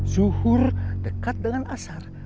zuhur dekat dengan asar